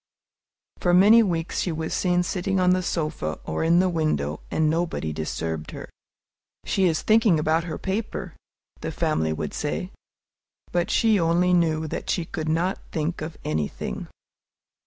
For many weeks she was seen sitting on the sofa or in the window, and nobody disturbed her. "She is thinking about her paper," the family would say, but she only knew that she could not think of anything.